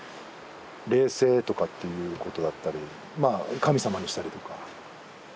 霊性とかっていうことだったりまあ神様にしたりとか。